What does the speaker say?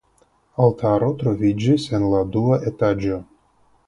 Altaro troviĝis en la dua etaĝo.